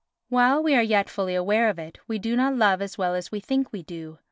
While we are yet fully aware of it, we do not love as well as we think we do.